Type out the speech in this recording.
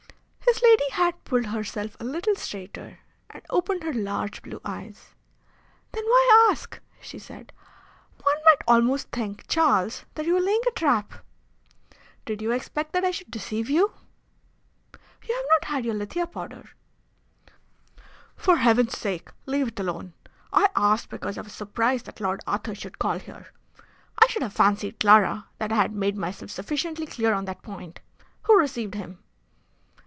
His lady had pulled herself a little straighter and opened her large blue eyes. "Then why ask?" she said. "One might almost think, Charles, that you were laying a trap! Did you expect that I should deceive you? You have not had your lithia powder." "For Heaven's sake, leave it alone! I asked because I was surprised that Lord Arthur should call here. I should have fancied, Clara, that I had made myself sufficiently clear on that point. Who received him?"